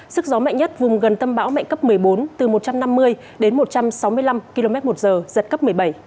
sức gió mạnh nhất vùng gần tâm bão mạnh cấp một mươi bốn từ một trăm năm mươi đến một trăm sáu mươi năm km một giờ giật cấp một mươi bảy